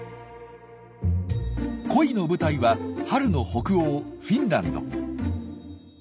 恋の舞台は春の北欧フィンランド。